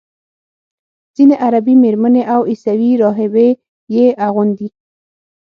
ځینې عربي میرمنې او عیسوي راهبې یې اغوندي.